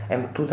em thú giáo